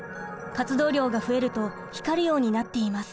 活動量が増えると光るようになっています。